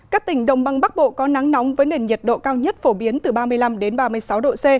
các tỉnh đồng băng bắc bộ có nắng nóng với nền nhiệt độ cao nhất phổ biến từ ba mươi năm ba mươi sáu độ c